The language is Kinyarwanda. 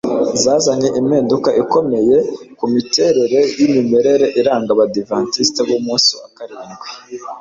zazanye impinduka ikomeye ku miterere y'imirire iranga abadiventisti b'umunsi wa karindwi